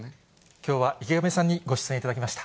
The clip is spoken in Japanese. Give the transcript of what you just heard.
きょうは池上さんにご出演いただきました。